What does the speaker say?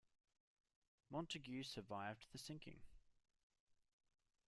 Montagu survived the sinking.